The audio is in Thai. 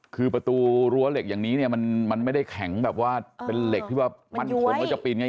คือประตูรั้วเหล็กอย่างนี้เนี่ยมันไม่ได้แข็งแบบว่าเป็นเหล็กที่ว่ามั่นคงแล้วจะปีนง่าย